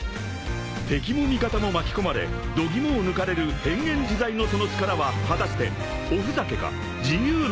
［敵も味方も巻き込まれ度肝を抜かれる変幻自在のその力は果たしておふざけか自由の証しか］